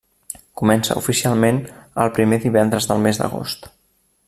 Comença oficialment el primer divendres del mes d'agost.